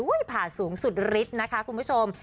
ผ่าสูงสุดฤทธิ์นะคะคุณผู้ชม